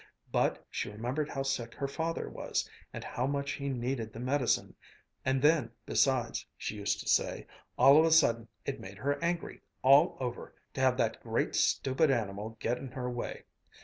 But she remembered how sick her father was, and how much he needed the medicine; and then besides, she used to say, all of a sudden it made her angry, all over, to have that great stupid animal get in her way.